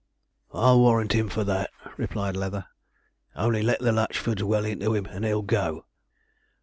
'I'll warrant him for that,' replied Leather; 'only let the Latchfords well into him, and he'll go.'